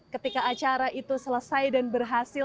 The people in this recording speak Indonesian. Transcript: ketika acara itu selesai dan berhasil